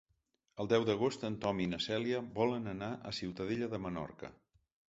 El deu d'agost en Tom i na Cèlia volen anar a Ciutadella de Menorca.